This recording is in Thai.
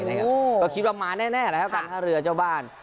ได้คิดประมาณแน่ฮะกัมทะเรือเจ้าบ้าน